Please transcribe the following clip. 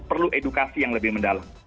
perlu edukasi yang lebih mendalam